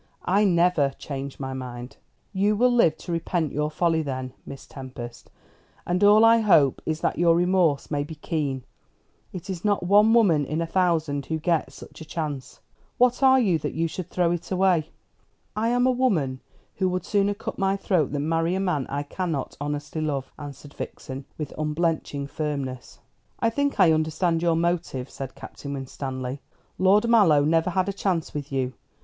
"I never change my mind." "You will live to repent your folly then, Miss Tempest: and all I hope is that your remorse may be keen. It is not one woman in a thousand who gets such a chance. What are you that you should throw it away?" "I am a woman who would sooner cut my throat than marry a man I cannot honestly love," answered Vixen, with unblenching firmness. "I think I understand your motive," said Captain Winstanley. "Lord Mallow never had a chance with you.